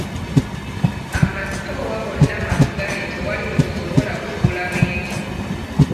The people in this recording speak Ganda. Amasitoowa gonna maggale tewali we tusobola kugula bintu.